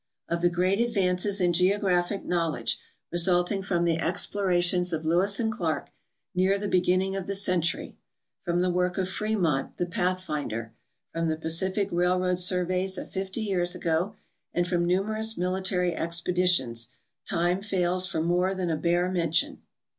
Of the great advances in geographic knowledge resulting from the explorations of Lewis and Clarke near the beginning of the century ; from the work of Fremont, the Pathfinder ; from the Pacific Railroad surveys of 50 years ago, and from numerous military expeditions, time fails for more than a bare mention.